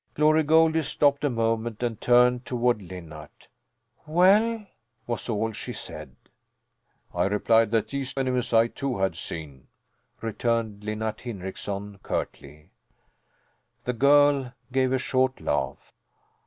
'" Glory Goldie stopped a moment and turned toward Linnart. "Well?" was all she said. "I replied that these enemies I, too, had seen," returned Linnart Hindrickson curtly. The girl gave a short laugh.